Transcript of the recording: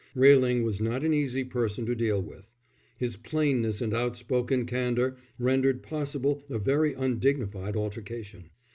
Railing was not an easy person to deal with. His plainness and outspoken candour rendered possible a very undignified altercation.